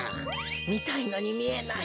みたいのにみえない。